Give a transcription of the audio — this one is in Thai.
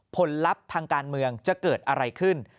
ผลลัพธ์ทางการเมืองจะเกิดอะไรขึ้น